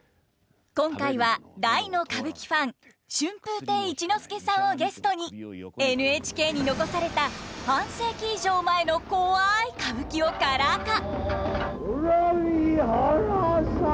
今回は大の歌舞伎ファン春風亭一之輔さんをゲストにＮＨＫに残された半世紀以上前のコワい歌舞伎をカラー化！